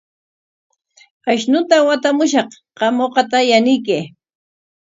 Ashnuta watamushaq, qam uqata yanuykan.